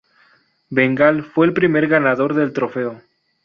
Bengal fue el primer ganador del trofeo.